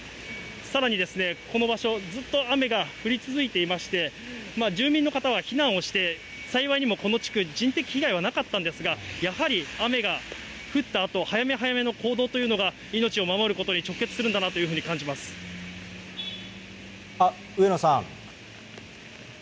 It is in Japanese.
さらにこの場所、ずっと雨が降り続いていまして、住民の方は避難をして、幸いにもこの地区、人的被害はなかったんですが、やはり雨が降ったあと、早め早めの行動というのが命を守ることに直結するんだなというふ上野さん。